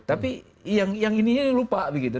tapi yang ininya lupa begitu